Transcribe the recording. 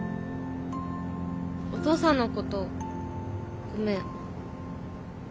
お父さんのことごめん。